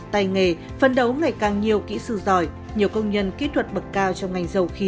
tay nghề phân đấu ngày càng nhiều kỹ sư giỏi nhiều công nhân kỹ thuật bậc cao trong ngành dầu khí